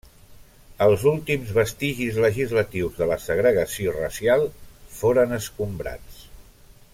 Els últims vestigis legislatius de la segregació racial foren escombrats.